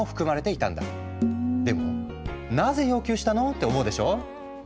でもなぜ要求したの？って思うでしょ。